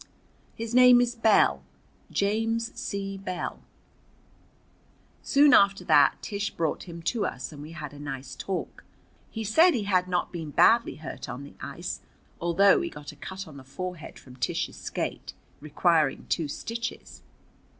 His name is Bell James C. Bell." Soon after that Tish brought him to us, and we had a nice talk. He said he had not been badly hurt on the ice, although he got a cut on the forehead from Tish's skate, requiring two stitches.